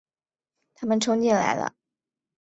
他们冲进来了